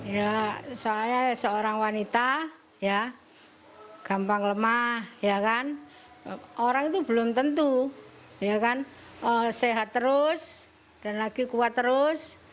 ya soalnya seorang wanita ya gampang lemah orang itu belum tentu sehat terus dan lagi kuat terus